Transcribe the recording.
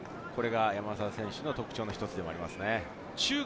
山沢選手の特徴の一つでもあります。